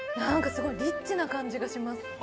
すごいリッチな感じがします。